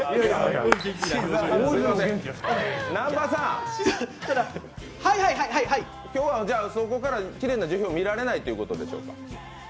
南波さん、今日はそこからきれいな樹氷見られないということでしょ？